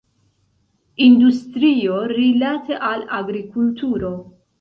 Industrio rilate al agrikulturo.